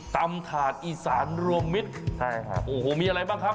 ถาดอีสานรวมมิตรใช่ค่ะโอ้โหมีอะไรบ้างครับ